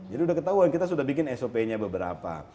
jadi udah ketahuan kita sudah bikin sop nya beberapa